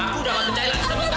aku gak mau menutup